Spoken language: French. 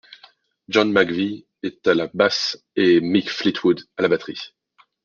John McVie est à la basse et Mick Fleetwood à la batterie.